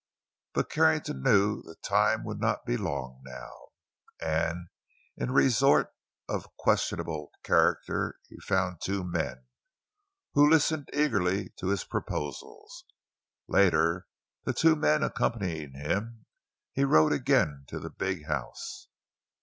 But Carrington knew the time would not be long now; and in a resort of a questionable character he found two men who listened eagerly to his proposals. Later, the two men accompanying him, he again rode to the big house.